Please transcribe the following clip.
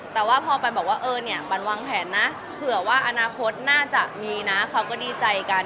แต่ว่าพอปันบอกว่าเออเนี่ยปันวางแผนนะเผื่อว่าอนาคตน่าจะมีนะเขาก็ดีใจกัน